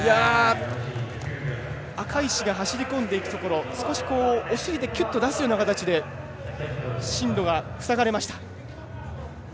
赤石が走り込んでいくところ少しキュッと出すような形で進路が塞がれました。